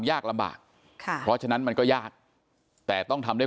ยากลำบากค่ะเพราะฉะนั้นมันก็ยากแต่ต้องทำด้วย